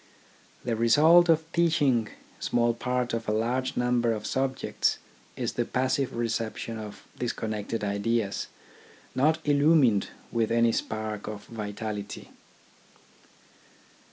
The result of teaching small parts of a large number of subjects is the passive reception of disconnected ideas, not illumined with any spark of vitality.